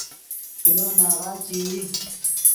کلو ناغہ چے ای